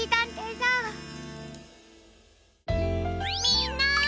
みんな！